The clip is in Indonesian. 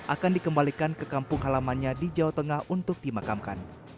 akan dikembalikan ke kampung halamannya di jawa tengah untuk dimakamkan